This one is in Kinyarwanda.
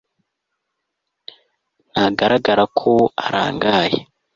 ntagaragara ko arangaye